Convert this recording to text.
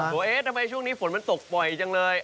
เช่นนี้ถ้าเย็นฝนมันตกผ่วยจังเลย